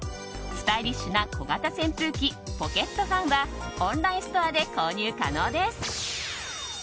スタイリッシュな小型扇風機ポケットファンはオンラインストアで購入可能です。